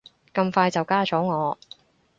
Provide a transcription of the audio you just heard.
咁快就加咗我